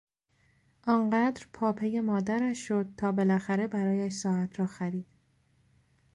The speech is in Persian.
آن قدر پاپی مادرش شد تا بالاخره برایش ساعت را خرید.